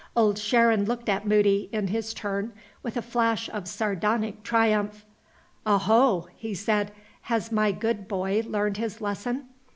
Old Sharon looked at Moody, in his turn, with a flash of sardonic triumph. "Oho!" he said. "Has my good boy learned his lesson?